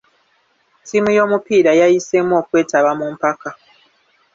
Ttiimu y'omupiira yayiseemu okwetaba mu mpaka.